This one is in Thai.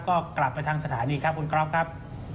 ก็กลับไปทางสถานีครับคุณก๊อฟครับ